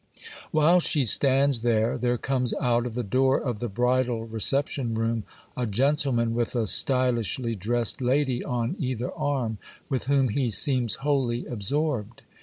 While she stands there, there comes out of the door of the bridal reception room a gentleman with a stylishly dressed lady on either arm, with whom he seems wholly absorbed.